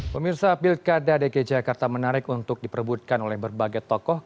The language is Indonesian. pemirsa pilkada dki jakarta menarik untuk diperbutkan oleh berbagai tokoh